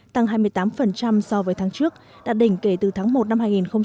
tăng hai mươi tám so với tháng trước đạt đỉnh kể từ tháng một năm hai nghìn hai mươi